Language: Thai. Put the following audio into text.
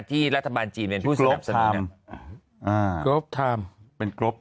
ที่รัฐบาลจีนเป็นผู้สนับสนุน